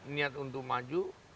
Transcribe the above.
niat untuk maju